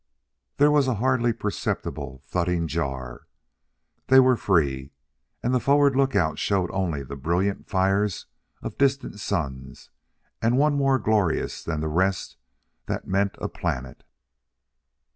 There was a hardly perceptible thudding jar. They were free! And the forward lookouts showed only the brilliant fires of distant suns and one more glorious than the rest that meant a planet.